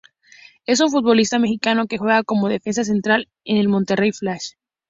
Es un futbolista mexicano que juega como Defensa Central en el Monterrey Flash.